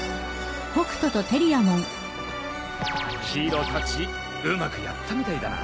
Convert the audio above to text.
宙たちうまくやったみたいだな。